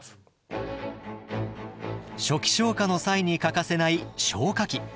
初期消火の際に欠かせない消火器。